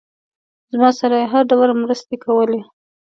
زما سره یې هر ډول مرستې کولې.